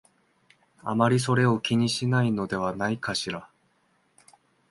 あまりそれを気にしないのではないかしら